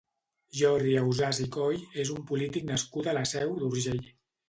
Jordi Ausàs i Coll és un polític nascut a la Seu d'Urgell.